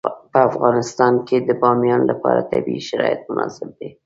په افغانستان کې د بامیان لپاره طبیعي شرایط مناسب دي.